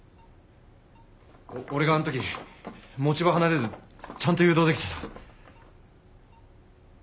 俺があんとき持ち場離れずちゃんと誘導できてたら。